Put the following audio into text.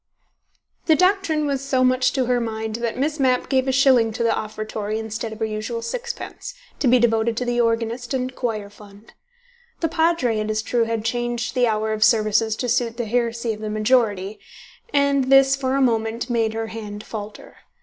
The doctrine was so much to her mind that Miss Mapp gave a shilling to the offertory instead of her usual sixpence, to be devoted to the organist and choir fund. The Padre, it is true, had changed the hour of services to suit the heresy of the majority, and this for a moment made her hand falter.